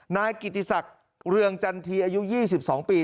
นายกิติศักดิ์เรืองจันทีอายุยี่สิบสองปี